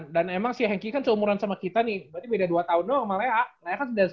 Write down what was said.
dan emang si henki kan seumuran sama kita nih berarti beda dua tahun dong sama lea lea kan sudah sembilan ya